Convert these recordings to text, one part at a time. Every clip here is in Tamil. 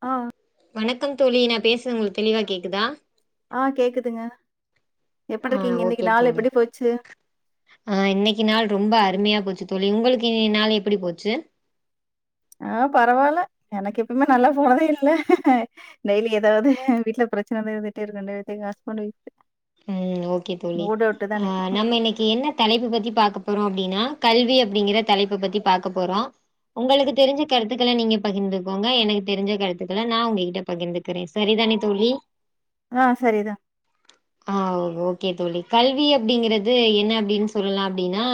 ஆ வணக்கம் தோழி நா பேசுது உங்களுக்கு தெளிவா கேக்குதா ஆ கேக்குதுங்க எப்டி ஆ இருக்கீங்க ஓகே இன்னைக்கி நாள் தோழி எப்டி போச்சு ஆ இன்னைக்கி நாள் ரொம்ப அருமையா போச்சு தோழி உங்களுக்கு இன்னய நாள் எப்டி போச்சு ஆ பரவால்ல எனக்கு எப்பயுமே நல்லா போனதே இல்ல டெய்லி ஏதாவது வீட்ல பிரெச்சன தா இருந்துட்டே இருக்கு நேத்து எங்க ஹஸ்பண்ட்டு ஓஃப் ம் ஓகே தோழி தான் அன்னைக்கு. ஆ ம். நம்ம இன்னைக்கி என்ன தலைப்பு பத்தி பாக்க போறோ அப்டினா கல்வி அப்டிங்கிற தலைப்ப பத்தி பாக்க போறோ உங்களுக்கு தெரிஞ்ச கருத்துக்கள நீங்க பகிர்ந்துக்கோங்க எனக்கு தெரிஞ்ச கருத்துக்கள நா உங்ககிட்ட பகிர்ந்துக் கிறே சரி தானே தோழி ஆ சரிதா ஆ ஓகே தோழி கல்வி அப்டிங்கிறது என்னா அப்டின்னு சொல்லலா அப்டின்னா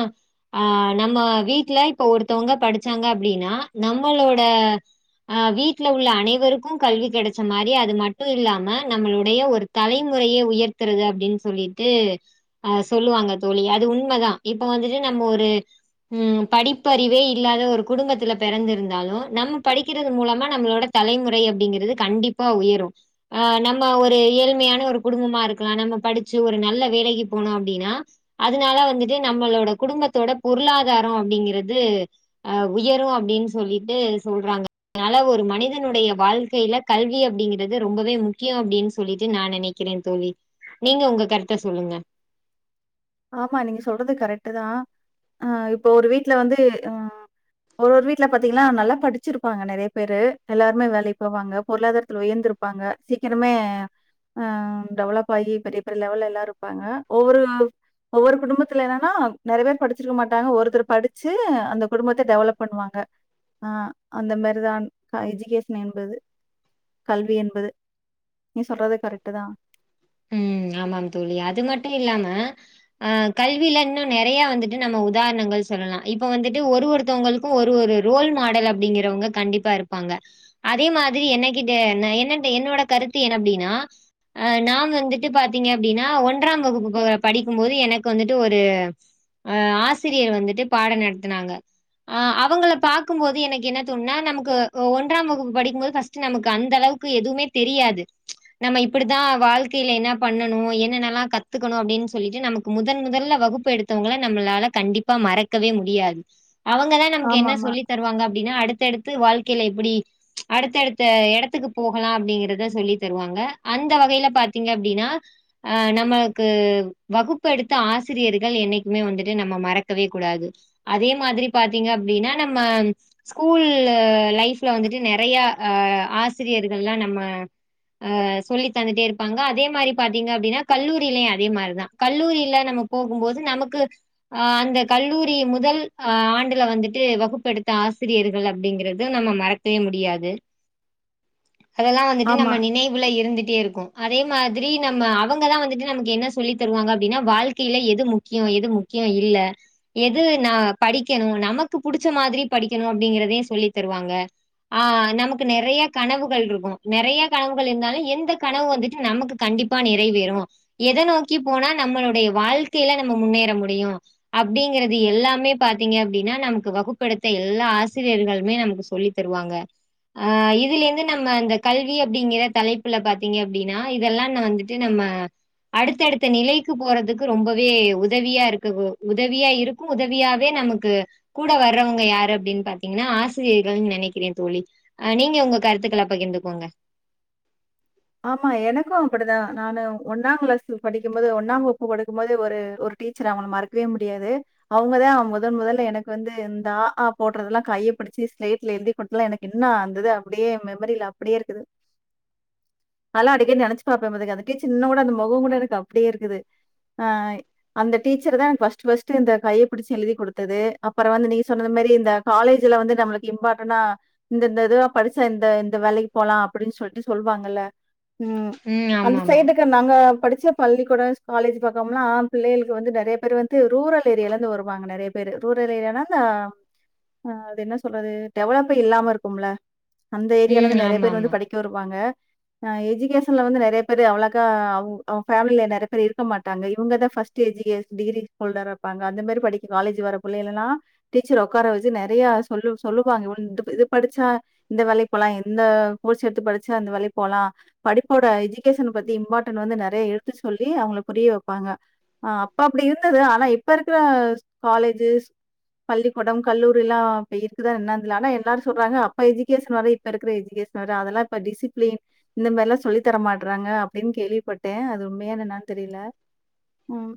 ஆ நம்ம வீட்ல இப்ப ஒருத்தவுங்க படிச்சாங்க அப்டினா நம்மளோட அ வீட்ல உள்ள அனைவருக்கு கல்வி கெடைச்ச மாரி அது மட்டு இல்லாம நம்மளுடைய ஒரு தலைமுறையே உயர்த்துறது அப்டின்னு சொல்லிட்டு அ சொல்லுவாங்க தோழி அது உண்மதா இப்ப வந்துட்டு நம்ம ஒரு ம் படிப்பறிவே இல்லாத ஒரு குடும்பத்துல பெறந்திருந்தாலு நம்ம படிக்கிறது மூலமா நம்மளோட தலைமுறை அப்டிங்கிறது கண்டிப்பா உயரு அ நம்ம ஒரு ஏழ்மையான ஒரு குடும்பமா ரு க்கலா நம்ம படிச்சு ஒரு நல்ல வேலைக்கு போனோ அப்டினா அதனால வந்துட்டு நம்மளோட குடும்பத்தோட பொருளாதாரோ அப்டிங்கிறது அ உயரு அப்டின்னு சொல்லிட்டு சொல்றாங்க அதனால ஒரு மனிதனுடைய வாழ்க்கைல கல்வி அப்டிங்கிறது ரொம்பவே முக்கியோ அப்டின்னு சொல்லிட்டு நா நெனை க்கிறே தோழி நீங்க உங்க கருத்த சொல்லுங்க ஆமா நீங்க சொல்றது கரெக்ட்டு தா அ இப்போ ஒரு வீட்ல வந்து அ ஒரு ஒரு வீ்ட்ல பாத்தீங்கன்னா நல்லா படிச்சிருப்பாங்க நெறைய பேரு எல்லாருமே வேலைக்கி போவாங்க பொருளாதாரத்தில உயர்ந்திருப் பாங்க சீக்கிரமே ஆ டெவலப் ஆகி பெரிய பெரிய லெவல்லா ருப்பாங்க ஒவ்வொரு ஒவ்வொரு குடும்பத்துல என்னன்னா நெறைய பேர் படிச்சிருக்க மாட்டாங்க ஒருத்தர் படிச்சு அந்த குடும்பத்த டெவலப் பண்ணுவாங்க ஆ அந்த மாரிதான் அ எஜிகேஷன் என்பது கல்வி என்பது நீ சொல்றது கரெக்டு தா ம் ஆமாம் தோழி அது மட்டு இல்லாம ஆ கல்வில இன்னு நெறைய வந்துட்டு நம்ம உதாரணங்கள் சொல்லலா இப்ப வந்துட்டு ஒரு ஒருத்தவுங்கள் கு ஒரு ஒரு ரோல் மாடல் அப்டிங்கிறவுங்க கண்டிப்பா இருப்பாங்க அதே மாதிரி என்னகிட்ட என்ன என்னனுட என்னோட கருத்து என்ன அப்டினா அ நாம் ன் வந்துட்டு பாத்தீங்க அப்டின்னா ஒன்றாம் வகுப்பு படிக்கும்போது எனக்கு வந்துட்டு ஒரு அ ஆசிரியர் வந்துட்டு பாட நடத்துனாக ஆ அவங்கள பாக்கும் போது எனக்கு என்ன தோணுனா நமக்கு ஒன்றாம் வகுப்பு படிக்கும்போது பஸ்ட் சி நமக்கு அந்த அளவுக்கு எதுவுமே தெரியாது நம்ம இப்டிதா வாழ்க் திலே என்னா பண்ணணு என்னென்னல்லா கத்துக்கோணு அப்டின்னு சொல்லிட்டு நமக்கு முதன் முதன்ல வகுப்பு எடுத்தவங்கள நம்மளால கண்டிப் ப்பா மறக்கவே முடியாது அவங்கதா நமக்கு என்னா ஆமாமா. சொல்லித் தருவாங்க அப்டின்னா அடுத்தடுத்து வாழ்க்கேல எப்டி அடுத்தடுத்த எடத்துக்கு போகலா அப்டிங்கறத சொல்லி தருவாங்க அந்த வகையில பாத் தீங்க அப்டின்னா அ நம்மளுக்கு வகுப்ப எடுத்த ஆசிரியர்கள் என்னைக்குமே வந்துட்டு நம்ம மறக்கவே கூடாது அதே மாதிரி பாத்தீங்க அப்டின்னா நம்ம ஸ்கூல் லைஃப்ல வந்துட்டு நெறைய அ ஆசிரியர்கள்ல்லா நம்ம ஆ சொல்லி தந்துட்டே இருப் ப்பாங்க அதே மாரி பாத்தீங்க அப்டின்னா கல்லூரிலயு அதே மாரிதா கல்லூரியில நம்ம போகும்போது நமக்கு ஆ அந்த கல்லூரி முதல் ஆ ஆண்டுல வந்துட்டு வகுப்பெடுத்த ஆசிரியர்கள் அப்டிங்கிறது நம்ம மறக் வே முடியாது அதெல்லா ஆமா. வந்துட்டு ஆமா. நம்ம நினைவுல இருந்துட்டே இருக்கு அதே மாதிரி நம்ம அவங்கதா வந்துட்டு நமக்கு என்ன சொல்லி தருவாங்க அப்டின்னா வாழ்க்கையில எது முக்கியோ எது முக் கியோ இல்ல எது நா படிக்கணு நமக்கு புடிச்ச மாதிரி படிக்கணு அப்டிங்கிறதையு சொல்லி தருவாங்க ஆ நமக்கு நெறைய கனவுகள் இருக்கு நெறைய கனவுகள் இருந்தாலும எந்த கனவு வந்துட் நமக்கு கண்டிப்பா நறைவேறு எத நோக்கி போனா நம்மளுடைய வாழ்க்கேல நம்ம முன்னேற முடியு அப்டிங்கறது எல்லாமே பாத்தீங்க அப்டின்னா நமக்கு வகுப்படுத்த எல்லா ஆசிரியர்களுமே நமக்கு சொல்லி தருவாங்க அ இதுல இருந்து நம்ம அந்த கல்வி அப்டிங்கிற தலைப்புல பாத்தீங்க அப்டினா இதெல்லா வந்துட்டு நம்ம அடுத்தடுத்த நிலைக்கு போறதுக்கு ரொம்பவே உதவியா இருக்குபு உதவியா இரு உதவியாவே நமக்கு கூட வர்றவங்க யாரு அப்டின் பாத்தீங்னா ஆசிரியர்கள் நெனைக்கிற தோழி அ நீங்க உங்க கருத்துக்கள பகிர்ந்துக்கோங்க ஆமா எனக்கு அப்டிதா நானு ஒன்னா கிளாஸ் படிக்கு போது ஒன்னாம் வகுப்பு படிக்கும் போதே ஒரு ஒரு டீச்சர் ஆவனு மறக்கவே முடியாது அவங்கதா முதன் முதல்ல எனக்கு வந்து இந்த அ ஆ போடுறதெல்லா கையைப்பிடிச்சி ஸ்லேட்ல எழுதி பொட்ல எனக்கு இன்னு அந்தது அப்டியே மெமரியில அப்டியே இருக்குது நாலா அடிக்கடி நெனைச்சி பாப்பே பாத்துக்க அந்த டிச்சர் இன்னு கூட அந்த முகம் கூட எனக்கு அப் டியே இருக்குது ஆ ஆய் அந்த டீச்சர் தா எனக்கு பர்ஸ்ட் பர்ஸ்ட் இந்த கையை பிடிச்சி எழுதி குடுத்தது அப்புறம் வந்து நீ சொன்னது மாரி இந்த காலேஜ்ல வந்து நம்மளுக்கு இம்பாடனா இந்த இந்த இதுவா படிச்சா இந்த இந்த வேலைக்கு போலாம் அப்டின்னு சொல்லிட்டு சொல்லுவாங்கல்ல ம் ஆமா அந்த ஆமா சைடு கம் நாங்க படிச்ச பள்ளிக்கூடன் காலேஜ் பக்கம்லா பிள்ளைகளுக்கு வந்து நெறைய பேர் வந்து ரூரல் ஏரியால இருந்து வருவாங்க நிறையேப் ரூரல் ஏரியானா இந்த ஆ அது என்ன சொல்றது டெவலப்பே இல்லாம இருக்குமிலப அந்த ம் ஏரியாலந்து நெறைய ஆமா பேர் ஆமா வந்து படிக்க வருவாங்க அ எஜிகேஷன்ல வந்து நெறைய பேரு அவ்ளகா அவ் அவங்க ஃபேமில நெறைய பேர் இருக்க மாட்டாங்க இவங்கதா ஃபர்ஸ்ட் பஸ்ட் எஜிகேஸ் டிகிரி ஹோல்டர் இருப்பாங்க அந்த மாதிரி படிக்க காலேஜ் வர பிள்ளேலலா எல்லா டீச்சர் உட்கார வச்சி நெறைய சொல்லு சொல்லுவாங்க இ இது படிச்சா இந்த வேலைக்கு போலா எந்த கோர்ஸ் எடுத்து படிச்சா அந்த வேலைப் போலா படிப்போட எஜிகேஷன் பத்தி இம்பார்ட்டன்ட் வந்து நெறைய எடுத்து சொல்லி அவங்க புரிய வெப்பாங்க ஆ அப்ப அப்டி இருந்துது ஆனா இப்ப இருக்கிற காலேஜஸ் பள்ளிக்கூடம் கல்லூரில்லா அப்ப இருக்குதா என்னா தெர்ல ஆனா எல்லாரு சொல்றாங்க அப்ப எஜிகேஷன் வேற இப் ப்ப இருக்கற எஜிகேஷன் வேற அதெல்லா இப்ப டிஸிப்ளின் இந்த மாரில்லா சொல்லித்த தர மாட்றாங்க அப்டின்னு கேள்விப்பட்டே அது உண்மையா என்னனானு தெரில ம்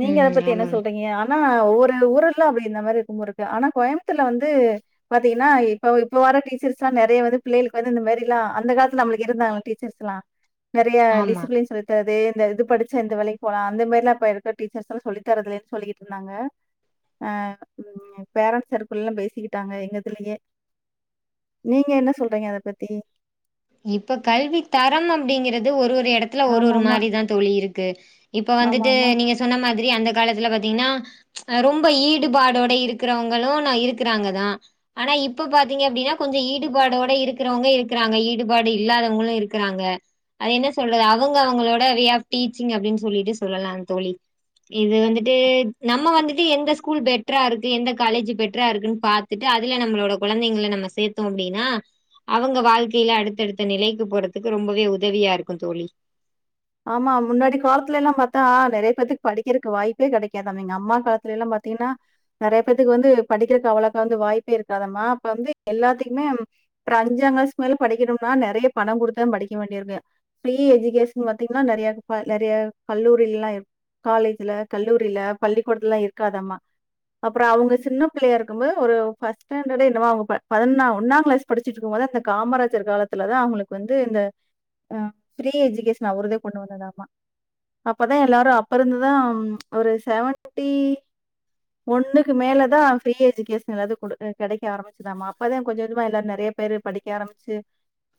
நீங்க அத ம் பத்தி என்ன ஆமாங்க சொல்றீங்க ஆனா ஒவ்வொரு ஊர் எல்லா அப்படி இந்த மாதிரி இருக்கும் போல இருக்கு ஆனா கோயம்பத்தூர்ல வந்து பாத்தீங்கன்னா இப்ப இப்ப வர டீச்சர்ஸ்ல்லா நெறைய வந்து பிள்ளைகளுக்கு வந்து இந்த மாரி லா அந்த காலத்துல நம்ளுக்கு இருந்தாங்கள டீச்சர்ஸ் எல்லா நெறைய ஆமா டிசிப்ளின் சொல்லி ரதே இந்த இது படிச்சா இந்த வேலைக்கு போலா அந்தமாரி எல்லா இப்ப இருக்க டீச்சர்ஸ் சொல்லி தரதுலேன்ன சொல்லிகிட்டு இருந்தாங்க அ பேரண்ட்ஸ் சர்க்கிள் எல்லா பேசிக்கிட்டாங்க எங்கதுலயே நீங்க என்ன சொல்றீங்க அத பத்தி இப்ப கல்வி தரம் அப்டிங்கறது ஒரு ஒரு இடத்துல ஒரு ஒரு ஆமாமா, மாரிதா தோழி இருக்கு இப்ப வந்துட்டு ஆமாமா. நீங்க சொன்ன மாதிரி அந்த காலத்துல பாத்தீங்கன்னா ரொம்ப ஈடுபாடோட இருக்கறவங்களு நா இருக்கறாங்கதா ஆனா இப்ப பாத்தீங்க அப்டின்னா கொஞ்சோ ஈடுபாடோட இருக்றவங்க இருக்கறாங்க ஈ டுபாடு இல்லாதவங்களு இருக்கறாங்க அது என்ன சொல்றது அவங்க அவங்களோட வே ஆப் டீச்சிங் அப்டின்னு சொல்லிட்டு சொல்லலா தோழி இது வந்துட்டு நம்ம வந்துட்டு எந்த ஸ்கூல் பெட்டரா இருக்கு எந்த காலேஜ் பெட்டரா இருக்குன்னு பாத் துட்டு அதுல நம்மளோட குழந்தைங்கள நம்ம சேத்தோ அப்டின்னா அவங்க வாழ்க்க கில அடுத்தடுத்த நிலைக்கு போறதுக்கு ரொம்பவே உதவியா இருக்கு தோழி ஆமா முன்னாடி காலத்துல எல்லா பாத்தா நெறைய பேத்துக்கு படிக்கறக்கு வாய்ப்பே கெடைக்காதாமா எங்க அம்மா காலத்துல எல்லா பாத்தீங்கன்னா நெறையா பேர்த்துக்கு வந்து படிக்கறக்கு அவ்ளவுக்கா வந்து வாய்ப்பே இருக்காதாம்மா அப்ப வந்து எல்லாத்துக்குமே அப்ரோ அஞ்சாங் கிளாஸ் மேல படிக்கணும்னா நெறைய பணம் கொடுத்தா படிக்க வேண்டியிருக்கு ஃப்ரீ எஜுகேஸ் ன் பாத்தீங்னா நெறைய பா நெறைய கல்லூரில எல்லா இருக் காலேஜ்ல கல்லூரில பள்ளி கூடத்துல இருக்காதாமா அப்ரோ அவங்க சின்ன பிள்ளையா இருக்கும்போபது ஒரு பஸ்ட்டாண்டர்டா என்னவோ அவங்க பா பதினொன்னா ஒன்னாங் கிளாஸ் படிச்சிட்ருக்கும் போது அந்த காமராஜர் காலத்துலதா அவுங்களுக்கு வந்து இந்த அ ப்ரீ எஜூகேஷன் அவர்தே கொண்டு வந்ததாமா அப்பதா எல்லாரு அப்ப இருந்துதா ஒரு செவன்டி ஒண்ணுக்கு மேல தான் ஃப்ரீ எஜுகேஷன் ஏத கிடைக்க ஆரம்பிச்சி தாம அப்பதா கொஞ்சோ கொஞ்சமா எல்லாரு நெறைய பேரு படிக்க ஆரம்பிச்சு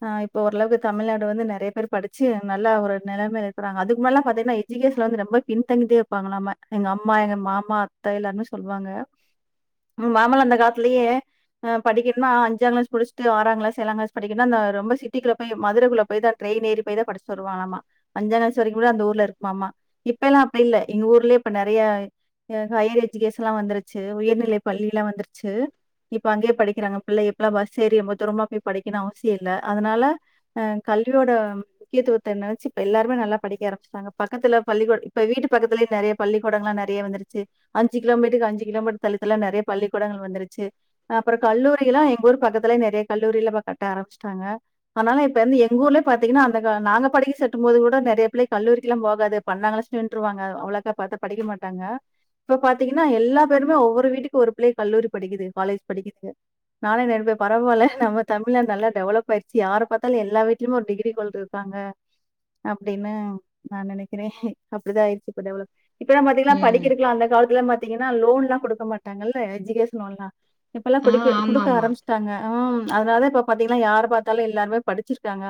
ஆ இப்போ ஓரளவுக்கு தமிழ்நாடு வந்து நெறைய பேரு படிச்சு நல்ல ஒரு நெலமைல இருக்கறாங்க அதுக்கு மேலல்ல பாத்தீன்னா எஜூகேஷன்ல வந்து ரொம்ப பின்தங்கி இருப்பாங்கலாமா எங்க அம்மா எங்க மாமா அத்த எல்லாருமே சொல்லுவாங்க மாமாலா அந்த காலத்துலயே அ படிக்கனுனா அஞ்சாங்ளாஸ் படிச்சட்டு ஆறாங்லாஸ் ஏழாங்ளாஸ் படிக்கனா அந்த ரொம்ப சிட்டிகுள்ள போய் மதுரக்குள்ள போய்தா ட்ரெய்ன் ஏறி போய்தா படிச்சிட்டு வருவானாமா அஞ்சாங் கிளாஸ் வரைக்கு தான் அந்த ஊர் இருக்கு மாமா இப்பலா அப்ப இல்ல எங்க ஊர்லயே இப்ப நெறையா ஹயர் எஜுகேஷன்லா வந்துருச்சு உயர்நிலை பள்ளி எல்லா வந்துருச்சு இப்ப அங்கயே படிக்கறாங்க பிள்ளைக இப்பெல்லா பஸ் ஏறி ரொம்ப தூரமா போய் படிக்ணு அவசியோ இல்ல அதனால அ கல்வியோட முக்கியத்துவத்த நெனச்சு இப்ப எல்லாருமே நல்லா படிக்க ஆரம்பிச்சுட்டாங்க பக்கத்துல பள்ளிக்கூட இப்போ வீட்டு பக்கத்திலயே நெறைய பள்ளிக்கூடங்கல்லா நெறைய வந்துருச்சு அஞ்சு கிலோமீட்டர் அஞ்சு கிலோமீட்டர் தள்ளி தள்ளி நெறைய பள்ளிக்கூடங்கள் வந்துருச்சு அப்ரோ கல்லூரில்லா எங்க ஊர் பக்கத்துல நெறைய கல்லூரிலா கட்ட ஆரம்பிச்சுட்டாங்க அனால இப்ப வந்து எங்க ஊர்ல பாத்தீங்ன்னா அந் நாங்க படிக்க செட்டு போது கூட நெறைய பிள்ளை கல்லூரிக்குலா போகாது பண்டா கிளாஸ் நின்றுவாங்க அவ்ளோக்கா பாத்தா படிக்க மாட்டாங்க இப்ப பாத்தீங்கனா எல்லா பேருமே ஒவ்வொரு வீட்டுக்கு ஒரு புள்ளே கல்லூரி படிக்குது காலேஜ் படிக்குது நானே நெனப்ப பரவால்ல நம்ம தமிழ்நா நல்லா டெவலப் ஆயிர்ச்சு யார பாத்தாலு எல்லா வீட்டிலுமே ஒரு டிகிரி ஹோல்ட்ரு இருக்காங்க அப்டினு நா நெனைக்கிறே அப்டிதா ஆயிர்ச்சு இப்ப டெவலப் இப்பல்லா பாத்தீங்கலா ம் படிக்கிறரக்கலா அந்த காலத்துல பாத்தீங்கனா லோன்லா கொடுக்க மாட்டாங்களா எஜுகேஷன் லோன்லா இப்பெல்லா ஆ குடிக்க ஆமா கொடுக்க ஆமா ஆரம்ப்ச் டாங்க இம் அதனால இப்ப பாத்தீங்கலா யார் பாத்தாலு எல்லாருமே படிச்சிருக்காங்க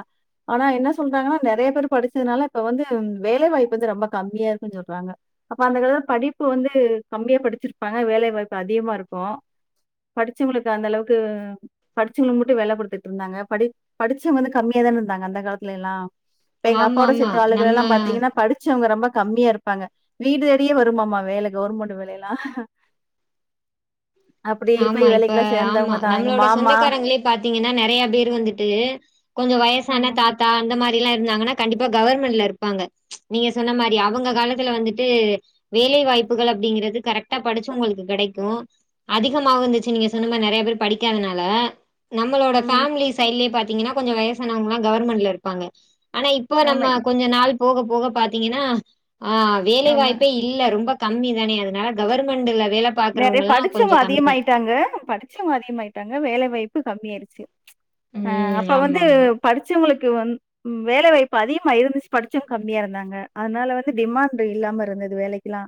ஆனா என்ன சொல்றாங்கனா நெறைய பேர் படிச்சதனால இப்ப வந்து வேலைவாய்ப்பு வந்து ரொம்ப கம்மியா இருக்குன் சொல்றாங்க அப்ப அந்த காலத்து படிப்பு வந்து கம்மியா படிச்சிருப்பாங்க வேலை வாய்ப்பு அதிகமா இருக்கு படிச்சவ்ங்களுக்கு அந்த அளவுக்கு படிச்சவ்ங்ளுக்கு மட்டு வேல குடுத்துட்டு இருந்தாங்க படி படிச்சவ்ங்க வந்து கம்மியாதானே இருந்தாங்க அந்த காலத்திலேலா இப்ப எங்க ஆமா அப்பாவோட ஆமா சிட்டு நம்ம ஆலுகளலா பாத்தீங்கனா படித் சவ்ங்க ரொம்ப கம்மியா இருப்பாங்க வீடு தேடியே வருமாமா வேலை கவுவர்மெண்ட் வேலையெல்லா அப்படி ஆமா போய் இப்ப வேலைக்கெல்லா ஆமா சேர்ந்தவங்க தா எங்க நம்மளோட மாமா சொந்தக்காரங்களே பாத்தீங்கனா நெறைய பேர் வந்துட்டு கொஞ்சோ வயசான ஆமா தாத்தா அந்த மாரிலா இருந்தாங்கன்னா கண்டிப்பா கவர்மெண்ட்ல இருப்பாங்க நீங்க சொன்ன மாரி அவெங்க காலத்துல வந்துட்டு வேலை வாய்ப்புகள் அப்டிங்கறது கரெக்ட்டா படிச்சவங்களுக்கு கெடைக்கு அதிகமாகவுந்துச்சு நீங்க சொன்ன மாரி நிறைய பேர் படிக்காதனால நம்மளோட ம் ஃபேமிலிஸ் சைட்லயு பாத்தீங்கனா கொஞ்சோ வயசானவங்கலா கவர்மெண்ட்ல இருப்பாங்க ஆனா இப்ப நம்ம ஆமை கொஞ்ச நாள் போக போக பாத்தீங்கனா ஆ ஆமா வேலைவாய்ப்பே இல்ல ரொம்ப கம்மி தானே அதனால கவர்மெண்ட்ல வேல பாக்குறவ்ங்கல்லா ட்டு அதிகமாயிட்டாங்க படிச்சவ்ங்க அதிகமாய்ட்டாங்க வேலை வாய்ப்பு கம்மிய ஆயிடுச்சு ஆ ம் அப்ப வந்து ஆமாமா படுச்சவங்களுக்கு வந் வேலை வாய்ப்பு அதிகமா இருந்துச்சு படிச்சும் கம்மியா இருந்தாங்க அதனால வந்து டிமாண்ட் இல்லாம இருந்தது வேலைக்குலா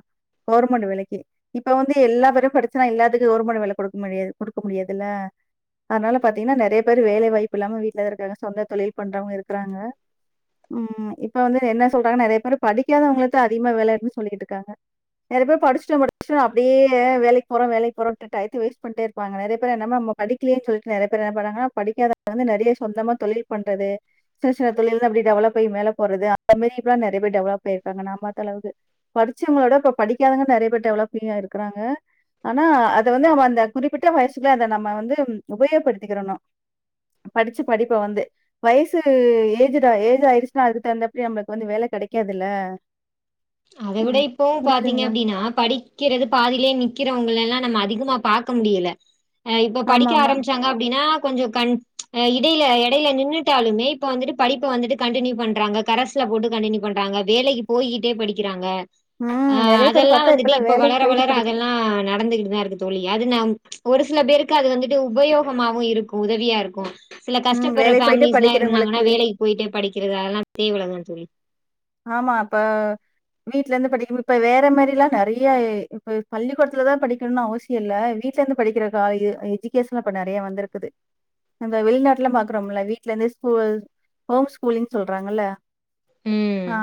கொவர்மெண்ட் விலைக்கி இப்ப வந்து எல்லா தடவையு படிச்சா நா எல்லாத்துக்கு கவர்மெண்ட் வேல குடுக்க முடியாது கொடுக்க முடியாதுல அனால பாத்தீங்கன்னா நறைய பேர் வேலைவாய்ப்பு இல்லாம வீட்ல இருக்காங்க சொந்த தொழில் பண்றவங்க இருக்றாங்க ம் இப்ப வந்து என்ன சொல்றாங்க நிறைய பேர் படிக்காதவங்களத்த அதிகமா வேலனு சொல்லிட்டு இருக்காங்க நிறைய பேர் படுச்சுட்டோ படிச்சுடோ அப் டியே வேலைக்கி போறோ வேலைகி போறோன்டு டயத்த வேஸ்ட் பண்ணிட்டே இருப்பாங்க நிறைய பேர் என்னம் நம படிக்கலேன் சொல்லிட்டு நிறைய பேர் என்னா பண்ணுவாங்னா படிக்காதங்க வந்து நிறைய சொந்தமா தொழில் பண்றது ஷின ஷின தொழில அப்டிடெவலப் ஆயி மேல போறது அந்த மாரிப்லா நெறைய பேரு டெவலப் ஆயிருகாங்க ந பாத்தலந்து படுச்சவங்களோட இப்ப படிக்காதங்க நெறைய பேர் டெவலப்பீயா இருக்கறாங்க ஆனா அத வந்து நம்ம அந்த குறிப்பிட்ட வயசுக்குள்ள அத நம்ம வந்து உபயோகப்படுத்திக்கிறணு படிச்சு படிப்ப வந்து வயசு ஏஜடா ஏஜ் ஆயிருச்சுன்னா அதுக்கு தகுந்தபடி நம்மளுக்கு வந்து வேல கெடைக்காதுல அத விட இப்பவு பாத்தீங்க அப்டினா படிக் க்கிறது பாதிலேயே நிக்கிறவங்களலா நம்ம அதிகமா பாக்க முடியல ஆ இப்ப படிக்க ஆமாமா. ஆரம்பிச்சாங்க அப்டின்னா கொஞ்சோ கண் இடைல எடைல நின்னுட்டாலுமே இப்ப வந்துட்டு படிப்ப வந்துட்டு கண்டினியூ பண்றாங்க கரசு சுல போட்டு கண்டினியூ பண்றாங்க வேலைக்கி போயிட்டே படிக்கிறாங்க ம் ஆ நெறைய பேர் அதெல்லா பார்த்தா வந்துட்டு இப்பலாம் இப்ப வேலைக்கு வளர போயிட்டு வளர படிக் அதெல்லா நடந்துகிட்டுதா இருக்குது தோழி அது ந ஒரு சில பேருக்கு அது வந்துட்டு உபயோகமாவு இருக்கு உதவியா இருக்கு சில ம் கஷ்டப்படுற வேலைக்கு போயிட்டு ஃபேமிலிஸ்லா இருந்தாங்கன்னா படிக்கிறவங்களுக்கு வேலைக்கு போயிட்டே படிக்கிறது அதெல்லாம் தேவலைங்கன் தோழி ஆமா அப்ப வீட்ல இருந்து படிக்கணு இப்ப வேற மாரிலா நெறைய இப்ப பள்ளிக்கூடத்துல தா படிக்கணு அவசி இல்ல வீட்ல இருந்து படிக்கிற கால எஜுகேஷன்ல இப்ப நெறைய வந்துருக்குது நம்ப வெளிநாட்டுலா பாக்குறோம்ல வீட்ல இருந்து ஸ்கூல் ஹோம் ஸ்கூலின் சொல்றாங்கல்ல ம் ஆ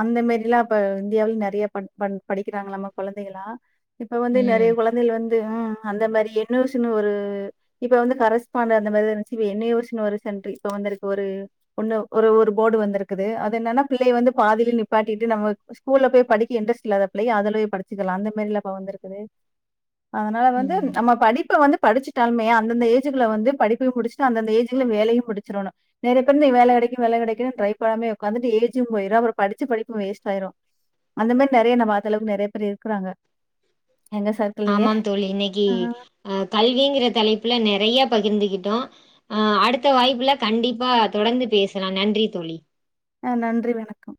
அந்த மாரிலா இப்ப இந்தியாவில நெறைய பன் பன் படிக்கிறாங்களாமா கொழந்தைகளா இப்ப வந்து நெறைய ம் கொழந்தைகள் வந்து ம் அந்த மாரி என் னோசி ன்னு ஒரு இப்ப வந்து கரஸ்பாண்டு அந்த மாரி தா இருந்துச்சு இப்ப என் யோசினு ஒரு சென்ட்ரி இப்ப வந்துருக்கு ஒரு ஒண்ணு ஒரு ஒரு போர்டு வந்திருக்குது அது என்னன்னா பிள்ளைய வந்து பாதில நிப்பாட்டிட்டு நம்ம ஸ்கூல்ல போய் படிக்க இன்ரஸ்ட் இல்லாத பிள்ளைக அதுலயே படிச்சுகலா அந்த மேரில இப்ப வந்துருக்குது அதனால வந்து ம் நம்ம படிப்ப வந்து படிச்சு டாலுமே அந்தந்த ஏஜ்குல வந்து படிப்பையு முடிச்சுட்டு அந்தந்த ஏஜ்ல வேலையு முடிச்சிரணு நெறைய பேரு இன் வேல கெடைக்கு வேல கெடைக்குனு ட்ரை பண்ணாமே உக்காந்துட்டு ஏஜ் போய்ரு அப்புற படிச்சு படிப்பு வேஸ்ட் ஆய்ரு அந்த மாரி நெறைய நா பாத்த அளவுக்கு நெறைய பேர் இருக்கறாங்க எங்க சார் ஆமாம் தோழி இன்னைக்கு அ கல்விங்கிற தலைப்புல நெறைய பகிர்ந்துகிட்டோ ஆ அடுத்த வாய்ப்புல கண்டிப்பா தொடர்ந்து பேசலா நன்றி தோழி ஆ நன்றி வணக்கம்